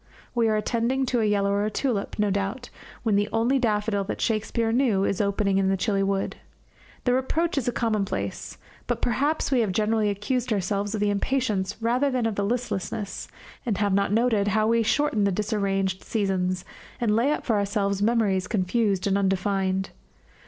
We are attending to a yellower tulip, no doubt, when the only daffodil that Shakespeare knew is opening in the chilly wood. The reproach is a commonplace, but perhaps we have generally accused ourselves of the impatience rather than of the listlessness, and have not noted how we shorten the disarranged seasons and lay up for ourselves memories confused and undefined.